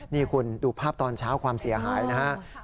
นี่คุณดูภาพตอนเช้าความเสียหายนะครับ